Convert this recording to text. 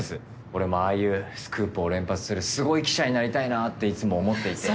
俺もああいうスクープを連発するすごい記者になりたいなっていつも思っていて。